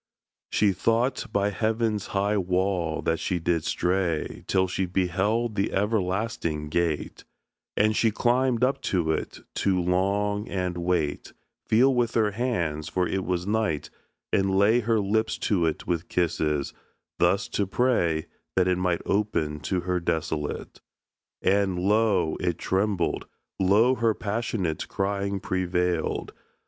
She thought by heaven's high wall that she did stray Till she beheld the everlasting gate: And she climbed up to it to long, and wait, Feel with her hands (for it was night), and lay Her lips to it with kisses; thus to pray That it might open to her desolate. And lo! it trembled, lo! her passionate Crying prevailed.